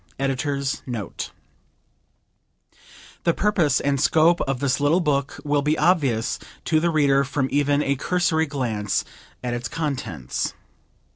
EDITOR'S NOTE The purpose and scope of this little book will be obvious to the reader from even a cursory glance at its contents.